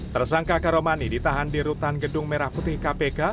tersangka karomani ditahan di rutan gedung merah putih kpk